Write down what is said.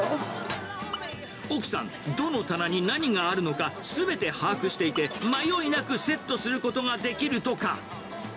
奥さん、どの棚に何があるのか、すべて把握していて、迷いなくセットすることができるとか。